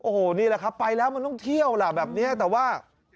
โอ้โหนี่แหละครับไปแล้วมันต้องเที่ยวล่ะแบบนี้แต่ว่า